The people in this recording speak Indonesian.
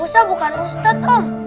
musa bukan ustad om